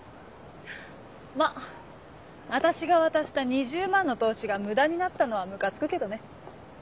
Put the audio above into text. まぁ私が渡した２０万の投資が無駄になったのはムカつくけどね。